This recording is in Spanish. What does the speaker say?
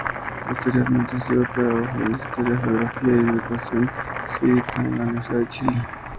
Posteriormente estudió Pedagogía en Historia, Geografía y Educación Cívica en la Universidad de Chile.